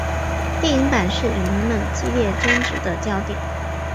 电影版是影迷们激烈争执的焦点。